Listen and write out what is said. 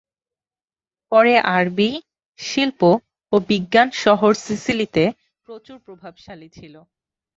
পরে আরবি শিল্প ও বিজ্ঞান শহর সিসিলিতে প্রচুর প্রভাবশালী ছিল।